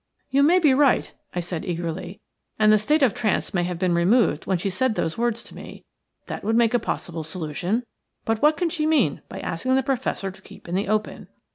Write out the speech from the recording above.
"You may be right," I said, eagerly, "And the state of trance may have been removed when she said those words to me. That would make a possible solution. But what can she mean by asking the Professor to keep in the open?"